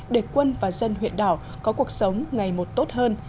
để quân và dân huyện đảo có cuộc sống ngày một tốt hơn